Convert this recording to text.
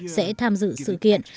sẽ tham dự sự kiện